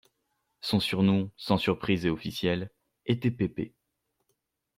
Son surnom, sans surprise et officiel, était Pépé.